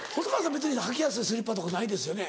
別に履きやすいスリッパとかないですよね？